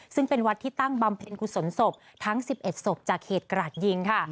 ซึ่งเป็นวัดที่ตั้งบำเพ็ญกุศลศพทั้ง๑๑ศพจากเหตุกราดยิงค่ะ